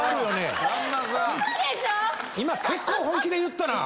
今結構本気で言ったな！